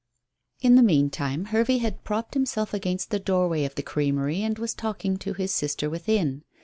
In the meantime Hervey had propped himself against the doorway of the creamery and was talking to his sister within.